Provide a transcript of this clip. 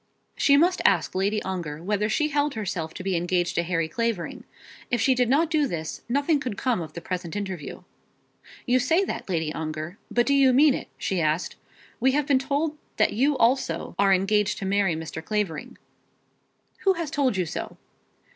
She must ask Lady Ongar whether she held herself to be engaged to Harry Clavering. If she did not do this, nothing could come of the present interview. "You say that, Lady Ongar, but do you mean it?" she asked. "We have been told that you also are engaged to marry Mr. Clavering." "Who has told you so?"